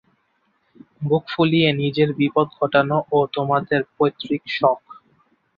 বুক ফুলিয়ে নিজের বিপদ ঘটানো ও তোমাদের পৈতৃক শখ।